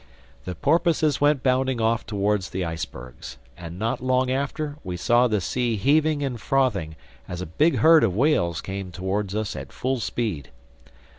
The porpoises went bounding off towards the icebergs. And not long after, we saw the sea heaving and frothing as a big herd of whales came towards us at full speed.